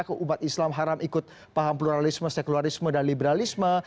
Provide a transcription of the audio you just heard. keumat islam haram ikut paham pluralisme sekularisme dan liberalisme